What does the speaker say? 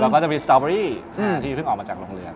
แล้วก็จะมีสตอเบอรี่ที่เพิ่งออกมาจากโรงเรือน